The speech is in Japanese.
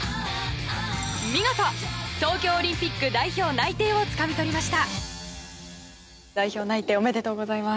見事東京オリンピック代表内定をつかみ取りました。